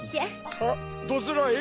はっどちらへ？